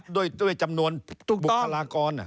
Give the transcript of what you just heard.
ด้วยจำนวนบุคลากร